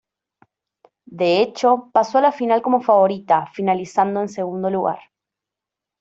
De hecho, pasó a la final como favorita, finalizando en segundo lugar.